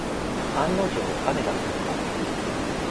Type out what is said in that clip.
案の定、雨が降った。